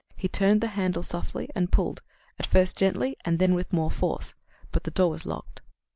He turned the handle softly and pulled, at first gently, and then with more force. But the door was locked.